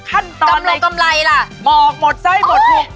หมอกหมดไส้หมดพุง